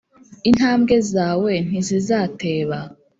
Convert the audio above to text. intambwe zawe ntizizateba.